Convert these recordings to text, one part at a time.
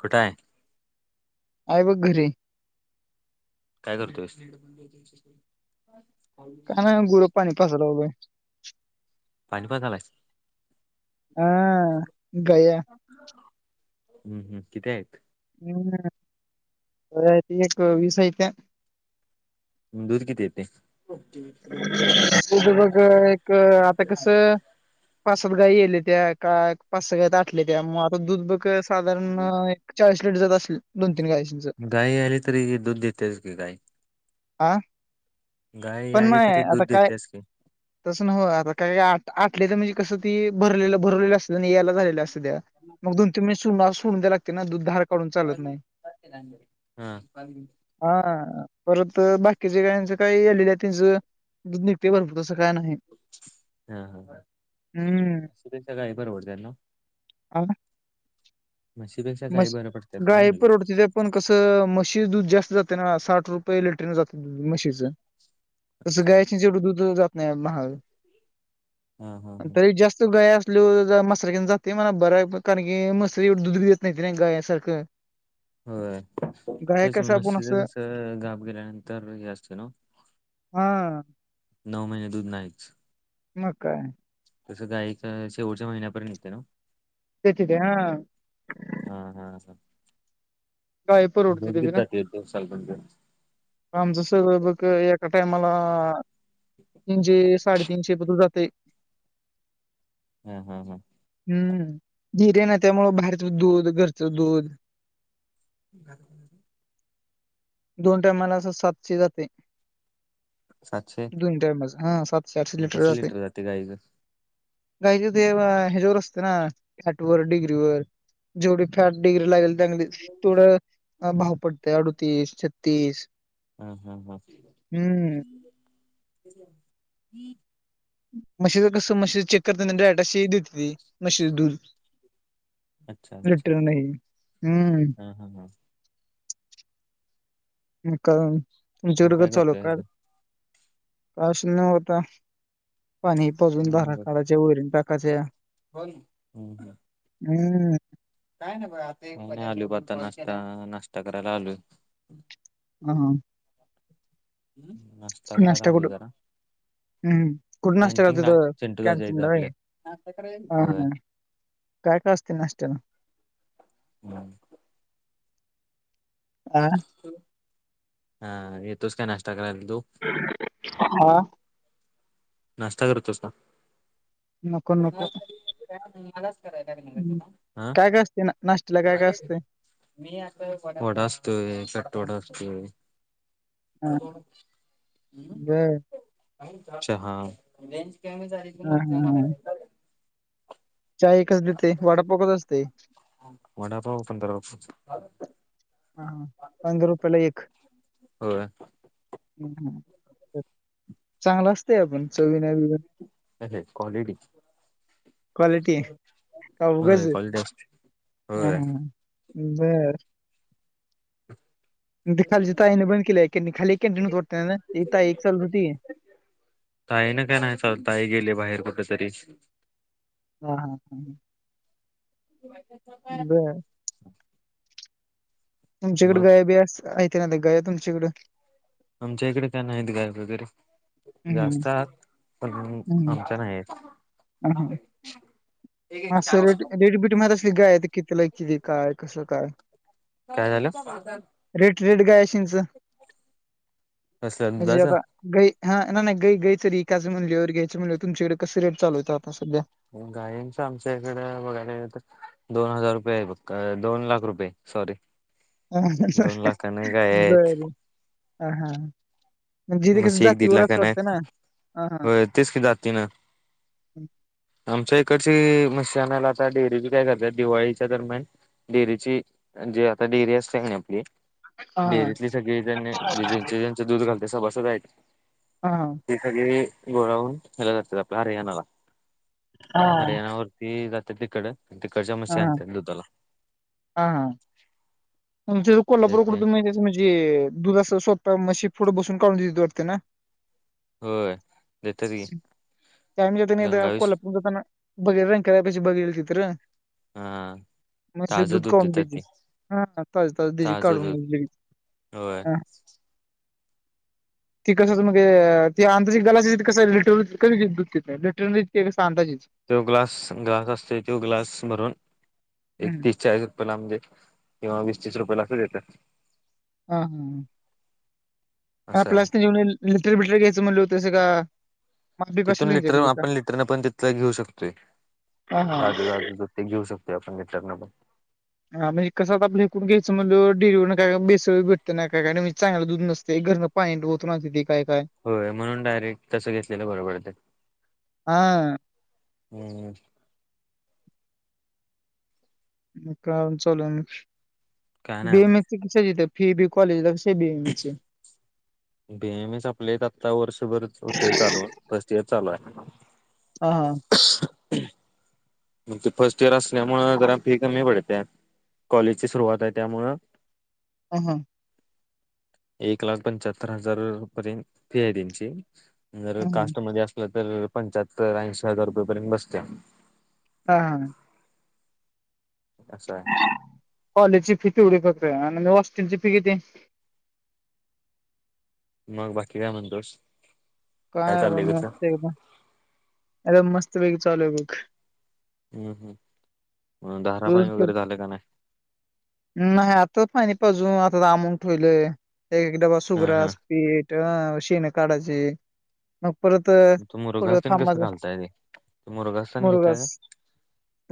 कुट हाय? आहे बघ घरी. काय करतोयस? का ना गुरं पाणी पाच लावलोय पाणी पाजालायस. हा गया. हम्म-हम्म किती आहेत? [unintelligible] एक विस हायता. दूध किती येतय? बघ एक आता कस पाच सात गाई येलेत्या का पाच सात गाई आटलेल्या मग आता दूध बघ साधारण एक चाळीस लिटर जात असेल दोन तीन गायी गाय आली तरी दुध देतेच की गाय. आ? गाय यायली तरी दूध काय देतयच की. तसं न हो आता काय-काय आ आठले तर म्हणजे कसं ती भरलेलं-भरलेलं असते ना यायला झालेल्या असत त्या. मग दोन तीन निसून नासून द्या लागते ना दूध धार काढून चालत नाही [unintelligible] हा. [unintelligible] हा परत बाकीचे गायीच काय आलेलेत. तिज दुध निघतय भरपूर तसं काय नाही. हा-हा हम्म [unintelligible] परवडत्या ना. [unintelligible] म्हशीपेक्षा गाय मशी, बरं पडतात का गाय म्हणलं परवडत्या त्यात. पण कसं, म्हशी दूध जास्त जाते ना, साठ रुपये लिटरने जातं दूध, मशीचं. तसं अच्छा गांयाचं अच्छा. जवढं दूध जात नाही, महाग. हा हा अन हा तरी जास्त गाया आपली [unintelligible] मसारा घेऊन जाते म्हणा, बर य प कारण की, मसरी एवडी दुध देती नाई, गाया सारखं. होय, तेच कसं आपण म्हशीच असं कसं, गाप गेल्यानंतर, हे असते ना? हां. नऊ महिने, दूध नाहीच. मग काय? तस गाईचं, शेवटच्या महिन्यापर्यंत ते ना? [unintelligible] ह हा हा हा, गाय परवडते दूध ते बी किती ना जाते दिवसाला तुमचं? आमचं सगळ बग, एका टायमाला, तीनशे-साडेतीनशे पर्यंत जातय. हं हं हं. हम्म, डिअरी ना त्यामुळं बाहेरच दूध, घरचं दूध [unintelligible] दोन टायमाला, असं सातशे जातय. सातशे दोनी टाइमाचं, हं सातशे-आठशे मग लिटर कसं जातंय. जाते गाईचं नाहीत, ते ह्याच्यावर असत ना, फॅट वर, डिग्री वर. जेव्हडी फॅट डिग्री लागल, त्यानी तेवढं अ भाव पडत, अडतीस-छत्तीस हं ह्म ह्म. म्हशीच कसं, मशीचं चेक करतना [unintelligible] अशी देते ती मशीज दधू. अच्छा लिटर नही, हम्म. ह्म ह्म हम्म, कारण तुमच्या मग काय [unintelligible] चालू करतोय का? आज [inaudible] नवता, पाणी काय पाजून, भारा काडा त्या वैरण टाकाच्या कोन [unintelligible] हम्म. काय ना ब आता, एक आलो बा आता नाष्टा, नाष्टा करायला आलोय. हहं. नाष्टा करायला नाश्ता कुठं आलोय जरा. हम्म, कुड नाष्टा केला तिद, कॅन्टीनला चिंटू दादाच्या इथं कॅनटीनला व्हय? आपल्या हा होय [unintelligible] काय-काय असत नाष्ट्याला? हम्म. आ हां, येेतोस का, नाष्टा करायला तू? हा. नाष्टा करतोस का? नको नको कोणाला तरी [unintelligible] मलाच कराय हम्म, लागणार [unintelligible] आं? काय काय असते ना नाश्त्याला काय काय काय-काय असते [unintelligible] मी असतोय, वडा असतोय, कट वडा असतोय. हा वडा पाव, ह्म, बर चहा हा हा [unintelligible] चाय एकच देते, वाडापाव कसा असतय? वडापाव पंधरा रुपयाचा. हा पंधरा रुपयेला एक. होय हम्म चांगला असतया पण चवीन बी अहे कॉलिटी. क्वालिटी आहे का उगाच होय कॉलिटि असती, हा होय हा बर ती खालची ताईन बंद केलं हाय का नाही खाली एक कॅनटीन होत वाटत हेन ते ताई एक चालवती. ताई न काय नाही चालू ताई गेलिया बाहेर कुठ तरी. हा हा हा ह बर [unintelligible] तुमच्याकड मग गाया बिया अस आहे का ना ते गाया तुमच्याकडं? आमच्या इकडे का नाहीत गाया वगैरे हम्म जास्त आात पण हम्म आमच्या नाहीयेत. अस रेट रेटबीट माहिती असल, की गाय यती कितीला एक किती काय कसं काय? काय झालं रेट रेट गाय शिंच. असं अंदाज? गई हा नाही गई गई च एकच म्हणल्यावर घ्यायचं म्हणल्यावर तुमच्याकडे कसं रेट चालू आहे आता सध्या? गायंचं आमच्या इकडं बघायला तर दोन हजार रुपये आहे बघ दोन लाख रुपये सॉरी. दोन लाखाने गाय आहेत बर हा म्हणजे इथे कस म्हशी एक दीड जातीवर असते लाखाने वाटत आहेत ना. आ होय तेच की जाती न आमच्या इकडची म्हशी आणायला आता डेअरी बी काय करत्यात दिवाळीच्या दरम्यान डेअरीची जे आता डेअरी असते का आपली. हा डेअरीतली सगळी जन जे जे ज्यांच दूध घालते सभासद आहेत. हा ते सगळे गोळा होऊन ह्याला जातेत आपल्या हरियाणाला, हा हरियाणावर ते जाते तिकड आणि तिकडच्या म्हशी आणतेत दुधाला. हा हा आमच्या इकडं कोल्हापूरकुठे देते त्या म्हणजे दुध अस स्वतः मशी पुढे बसून काढून देतात वाटते ना. होय देतात की [inaudible] काय माहिती काय गंगावीस नाहीकोल्हापूर जाताना. बघेल [unintelligible] तिथ र हा म्हशीचं ताजं दूध काढून देतात देते. ते हा ताज ताज देशी काढून दूध होय द्यायचं. हा ती कसं मंग ते अंदाजे ग्लासेस कसं लिटर दूध [unintelligible] देत नाही लिटरमध्ये ते कसं अंदाजेच. तो ग्लास ग्लास असतय तो ग्लास भरून एक हम्म तीस, चाळीस रु रुला म्हणजे किंवा वीस, तीस रुपयाेला [unintelligible] हा हा हा हा असं आहे प्लाटिक [unintelligible] लिटर बिटर घ्यायच म्हणले वर तसं का माप-बीप असेल तिथून लिटर त्यांच्यापाशी का? आपण लिटरन पण तिथला घेऊ शकतोय, हा हा ताज ताज दूध. ते घेऊ शकतोय आपण लिटर न पण. हा म्हणजे कस आपल्या एकूण घ्यायचं म्हणलं डेरी वरून काय का भेसळ भेटत ना का काय चांगलं दूध नसते घरन पाणी ओतून आणते ते काय काय होय म्हणून डायरेक्ट तस घेतलेलं बरं पडते हा हम्म काम चालू आहे काय ना बी एम नाही एस कस घेता फी बी कॉलेजला कस? ते बी एम एस चे बी एम एच ऍपलेट आता वर्षभर होते चालू फर्स्ट इयर चालू आहे हा हा. ह आमच फर्स्ट इयर असल्यामुळ जरा फी कमी पडते कॉलेजची सुरुवात आहे त्यामुळं हम्म हम्म. एक लाख पंच्याहत्तर हजार पर्यंत फी आहे त्यांची, जर हा कास्टमध्ये अस तर पंच्याहत्तर ऐंशी हजार रुपये पर्यंत बसत हा हा. अस आहे. कॉलेजची फी तेवढी बसतेय आणि हॉस्टेल ची फी किती आहे? मग बाकी काय म्हणतोस? काय म चाललंय कसं मस्त एकदम, अरे मस्तपैकी चालू आहे बघ हम्म हम्म मग दारा पाणी तुझ वगैरे झालं का नाही? नाही आताच पानी पाजून आत्ता आणून ठेवलंय एक डबा हा हा सुग्रास पीठ अन शेणी काढायचे मग परत तू थोड मुरघासन थांबा कसं घालताय ते तू मुरघासन घेताय मुरगस का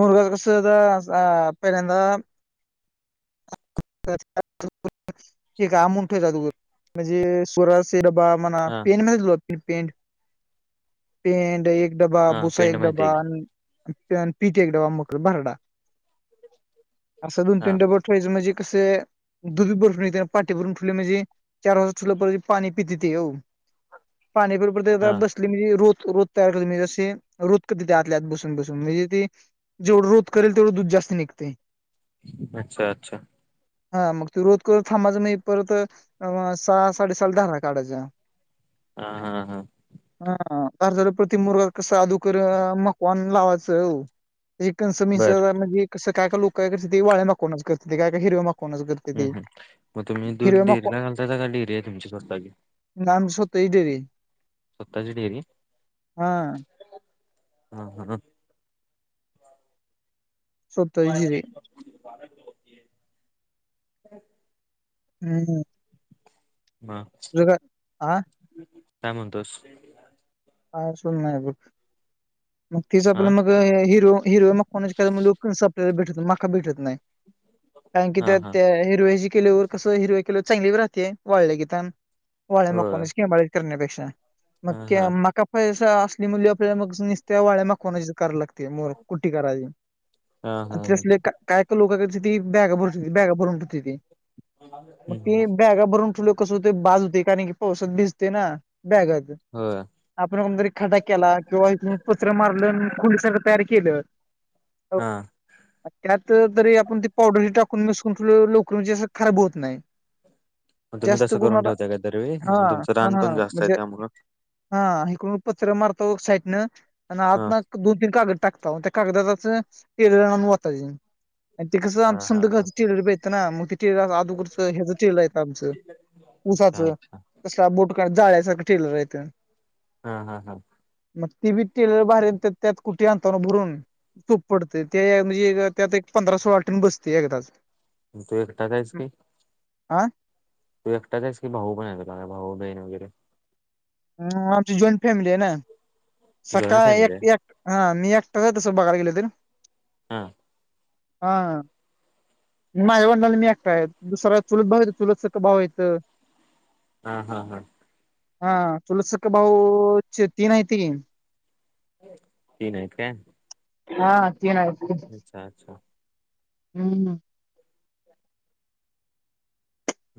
मुरगस कस तर अ पहिल्यादा [inaudible] का आणून ठेवतात म्हणजे सुरस [unintelligible] हा पेंड एक एक डबा हा भुसा पेंड एक माहिती डबा आहे की अन पीठ एक डबा मग भरडा असं दोन हा तीन डब ठेवायचं म्हणजे कसं दुध भरपूर येत्यात पाटी भरून ठेवल म्हणजे चार वाजता ठुलं पाणी पितात तेे हेव पानी भरपूर दिली हा तर बस ली म्हणजे रोत रोत तयार कर म्हणजे असशी रोत करे आतल्यात बसून बसून म्हणजे ती जेवढं रोत करेल तेवढ दूध जास्त निघतय. अच्छा अच्छा. हा मग ते रोत करत थांबाचं आणि परत अवा सहा साडे सहाला धारा काढायच्या हा हा हा [unintelligible] मकवान लावायचं हाव त्या कंस मिं बर म्हजे कसं काय का लोक काय करतात ते वाळ्या मागवूनच करत ते काय का हिरव्या माग हम्म हम्म मग तुम्ही दूध डेअरीला माकवान घालतायता का डेअरी आहे तुमची स्वतःची नाय आमची स्वतःची डेरी आहे. स्वतःची डेरी आहे. हा हा हा हा. स्वतःची जिरे [unintelligible] हम्म. हा. [inaudible] हा. काय म्हणतोस? हा [unintelligible] नाही बघ मग तिच पण हा मग अह हिरवं हिरवं [unintelligible] कणस आपल्याला भेटत माका भेटत नाही कारण की हा हा त्यात हिरव्या किलोभर कस हिरव्या केल्यावर चांगली राहते वाळल्या गीता वाळ्या होय मकवाना [unintelligible] करण्यापेक्षा [unintelligible] हा हा आपल्याला मग नुसत्या वाळ्या मकवानाच्याच करायला लागत्या ते मोर कुट्टी करायची हा हा आणि हा त्यासले का काय काय लोक कशी ती बॅगा भरून, बॅगा भरून ठुवत्याती मग हम्म. ती बॅगा भरून ठुवल्य कसं होतय, बाद होतय कारण की पावसात भिजतय ना बॅगात. व्हय आपण कोणतरी खड्डा केला किंवा इथून पत्र मारल न खोली सारखं तयार केलं हो हा त्यात तरी आपण ती पावडरी टाकून मिक्स करून ठिवलं लवकर म्हणजे असं खराब होत नाही. मग तुम्ही जास्त तसं करून आता, ठेवताय का दरवेळी हा मग तुमचं रान हा पण जास्त आहे म्हणजे त्यामुळं हा इकडून पतर मारतो साईडनं आणि आत हा ना दोन, तीन कागद टाकता ओ त्या कागदाच टिलर आणून वतायची अन ति कस हा आमचं हा समंध हा घरच टिलर बी आहेत ना मग ते टेलर आदुगरच ह्याच टेलर आहेत आमचं अच्छा ऊसाचं तसला बोटका जाळ्यासारखं टेलर आहेेत. हा हा हा. मग ती बी टेलर भारी आहेत, त्यात कुटी आणतो ना भरून तूप पडतय ते म्हणजे त्यात एक पंधरा सोळा टण बसतय एकदाच. म तू एकटाच आहेस काय? आ तू एकटाच आहेस की भाऊ पण आहे भाऊ, बहीण वगैरे हम्म, आमची जॉईंट फॅमिली आहे ना जॉईंट सख्खा एक फॅमिली आहे एक हा मी एकटाच हाय तस बाघायला गेल तर. हा. हा हा माझ्या वडलांना मी एकटा आहेत, दुसरा चुलत भाव आहे चुलत सख्खा भाव आहेत. हा हा हा हा, चुलत सख्ख भाऊ तीन आहेती की. तीन हाईत काय? हा तीन हाईत की. अच्छा अच्छा. नाय ना.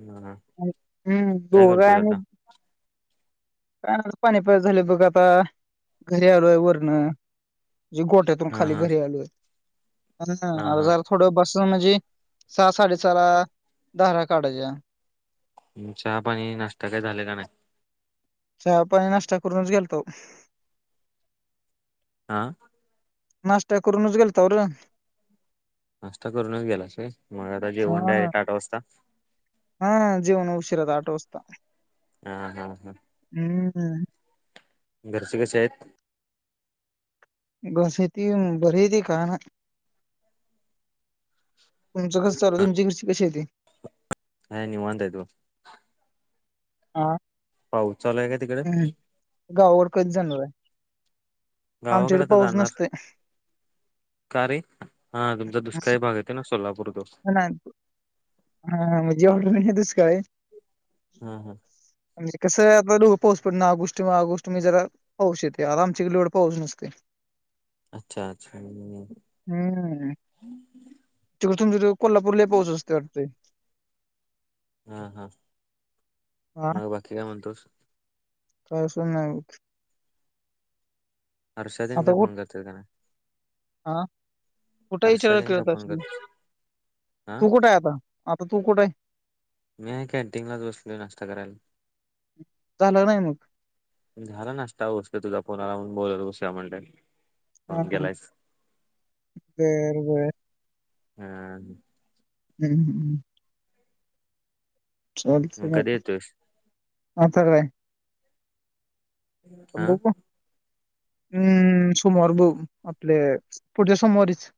ना अ आहेत, हम्म दोघ आहे आम्ही. काय नाय पाणी पाजून झालं बघ आता, घरी आलोय वरन म्हणजे गोठयात तुन हा खाली हा घरी आलोय, अजून नाय हा हा आर्धा अर्धा थोडं बसून म्हणजे, सहा साडेसहाला धारा काढायच्या. चहा, पाणी, नाश्ता काय झाले का नाय? चहा, पाणी, नाष्टा करूनच गेलतो. आ? नाष्टा करूनच गेलताव र. नासष्टा करूनच गेलास व्हय, म आता जेवण हा डायरेक्ट आठ वाजता? हा जेवन उशीराच आठ वाजता. हा हा हा. हम्म. हम्म घरचे कसे आहेत? बस येती, बरी हायती काय नाय. तुमंच कसं चालूय, तुमची घरची कशी हाय ती? काय निवांत हायित बघ. हा. पाऊस चालू हाय काय? हम् गावाकडं कधी जाणार हाय? गावाकडं आता जाणार. का रे! हा तुमचा दुष्काळी भाग येतो, ना सोलापूर तो. हा, नाही हा म्हनजी एवढा नाही दुष्काळी. हा हा. कसं करू आता धो पाऊस पड ना गोष्टी म गोष्टी मी जरा पाऊस येतोय आता आमच्या कड एवढा पाऊस नसतोय. अच्छा अच्छा. हम्म तिकड तुमच्या कोल्हापूरला लयं पाऊस असतोय वाटतं. हा हा. हा मग बाकी काय म्हणतोस? काय सुद्धा नाही. हारर्ष्या तेन काय फोन करत्यात काय नाही. आ. कुठं आय हर्षा विचाराय तेन काय करतास फोन करतात हा तू कुठं आय आता? आता तू कुठं हायं. मी हाय कॅनटीनलाच बसलोय नाश्ता करायला. झाला नाही मग? झाला नाष्टा बसलोय तुझा फोन आलाय म्हणून बोलत बसुया म्हणल. हा हा बर बर. हा. हं. चालते मग. कधी येतोयस आता काय? हा [unintelligible] हम्म सोमवार ब आपल्या पुढच्या सोमवारीच.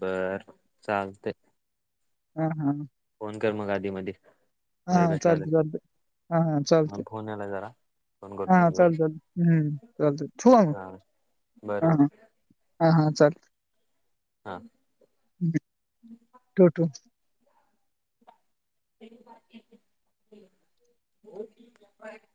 बरं चालतयं. हम्म हम्म. फोन कर मग आधी म वेळ हा भेटला तर चालते चालते हा हा म चालते फोन यायलाय जरा. फोन हा करतो मी चालत चालत हम्म चालत ठेवू का मग बर हा हा बरोबर. हा हा हा चाल. हां हा. To to [unintelligible]